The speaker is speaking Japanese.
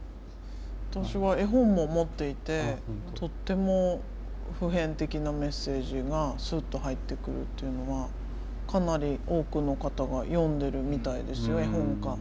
私は絵本も持っていてとっても普遍的なメッセージがスッと入ってくるっていうのはかなり多くの方が読んでるみたいですよ絵本化されて。